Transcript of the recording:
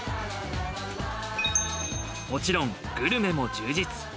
もちろんグルメも充実。